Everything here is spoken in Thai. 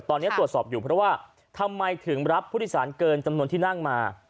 ตอนนี้ตรวจสอบอยู่เพราะว่าทำไมถึงรับผู้โดยสารเกินจำนวนที่นั่งมา